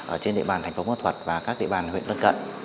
ở trên địa bàn thành phố môn thuật và các địa bàn huyện gần gần